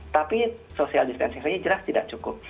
tapi social distancing saja jelas tidak cukup